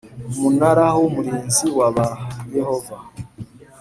Umunara w Umurinzi wa ba yehova